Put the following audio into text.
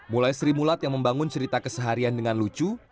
mulai sri mulat yang membangun cerita keseharian dengan lucu